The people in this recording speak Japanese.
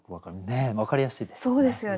ねっ分かりやすいですよね？